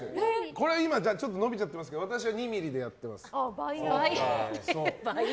これはちょっと伸びちゃってますけど私は２ｍｍでやってます。